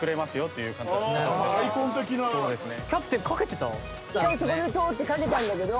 そうですね。